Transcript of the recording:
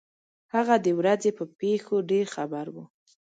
هغه د ورځې په پېښو ډېر خبر وو.